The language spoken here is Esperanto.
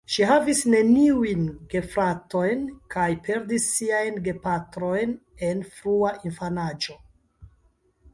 Ŝi havis neniujn gefratojn kaj perdis siajn gepatrojn en frua infanaĝo.